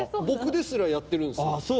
僕ですらやってるんですよああ